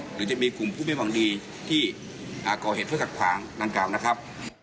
หรือจะมีกลุ่มผู้ไม่หวังดีที่ก่อเหตุเพื่อขัดขวางดังกล่าวนะครับ